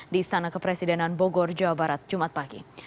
di istana kepresidenan bogor jawa barat jumat pagi